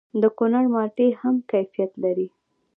د کونړ مالټې هم کیفیت لري.